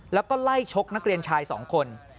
แล้วก็ไล่ชกนักเรียนชาย๒คน